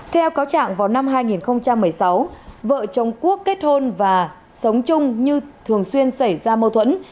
theo cáo trạng vào năm hai nghìn một mươi sáu vợ chồng quốc kết hôn và sống chung như thường xuyên xảy ra mâu thuẫn